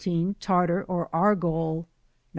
Tartar or Aro ol! 19.